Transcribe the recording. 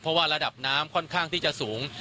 เพราะว่าระดับน้ำค่อนข้างที่จะสูง